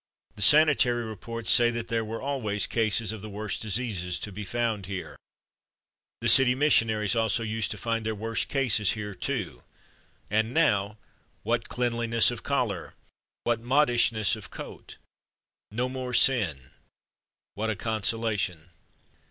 The sanitary reports say that there were always cases of the worst diseases to be found here. The city missionaries also used to find their worst cases here too, and now, what cleanliness of collar, what modishness of coat! No more sin; what a consolation!